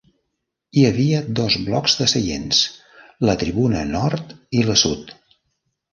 Hi havia dos blocs de seients, la Tribuna Nord i la Sud.